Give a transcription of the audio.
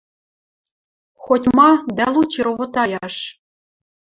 Хоть-ма дӓ лучи ровотаяш.